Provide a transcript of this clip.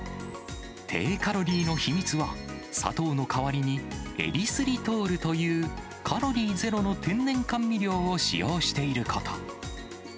低カロリーの秘密は、砂糖の代わりにエリスリトールというカロリーゼロの天然甘味料を使用していること。